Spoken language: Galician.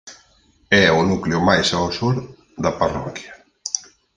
É o núcleo máis ao sur da parroquia.